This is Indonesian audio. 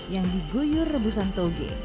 yang diguyur rebusan toge